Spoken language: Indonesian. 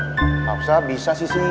nggak usah bisa sisi